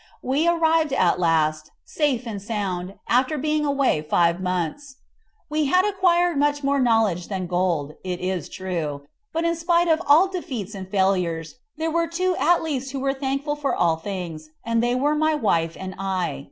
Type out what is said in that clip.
We arrived at last, safe and sound, after being away five months. We had acquired much more knowledge than gold, it is true; but in spite of all defeats and failures, there were two at least who were thankful for all things, and they were my wife and I.